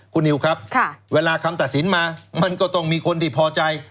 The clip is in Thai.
คุณนิวครับเวลาคำตัดสินมามันก็ต้องมีคนที่พอใจ